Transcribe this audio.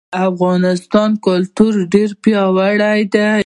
د افغانانو کلتور ډير پیاوړی دی.